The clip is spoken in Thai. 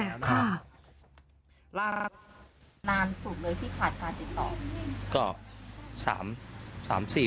นานสุดเลยที่ขาดการติดต่อ